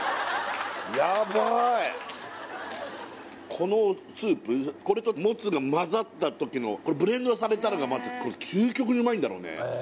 このスープこれとモツが混ざったときのブレンドされたのがまたこれ究極にうまいんだろうね